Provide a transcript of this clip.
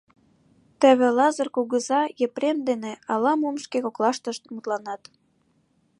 Теве Лазыр кугыза Епрем дене ала-мом шке коклаштышт мутланат.